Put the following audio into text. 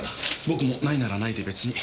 僕もないならないで別に。